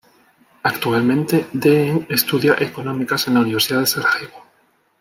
Actualmente, Deen estudia económicas en la universidad de Sarajevo.